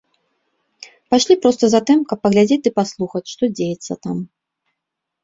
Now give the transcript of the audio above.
Пайшлі проста затым, каб паглядзець ды паслухаць, што дзеецца там.